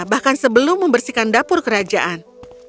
bahkan sebelum membersihkan dapur kerajaan